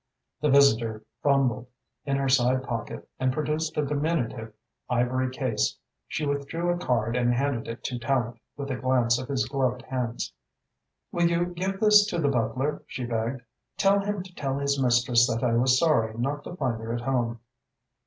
The visitor fumbled in her side pocket and produced a diminutive ivory case. She withdrew a card and handed it to Tallente, with a glance at his gloved hands. "Will you give this to the butler?" she begged. "Tell him to tell his mistress that I was sorry not to find her at home."